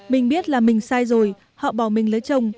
mình biết là mình sai rồi họ bỏ mình lấy chồng